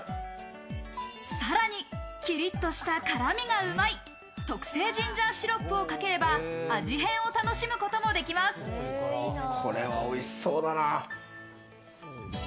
さらにキリッとした辛味がうまい、特製ジンジャーシロップをかければ、味変を楽しむこともこれはおいしそうだなぁ。